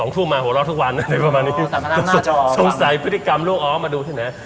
๒ทุ่มมาหัวเราะทุกวันสงสัยพฤติกรรมลูกอ๋อมาดูที่ไหน